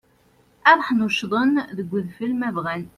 Ad ḥnuccḍen deg udfel ma bɣan.